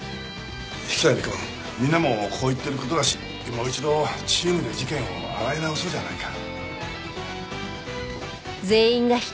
引谷くんみんなもこう言ってる事だしもう一度チームで事件を洗い直そうじゃないか。